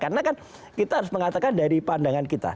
karena kan kita harus mengatakan dari pandangan kita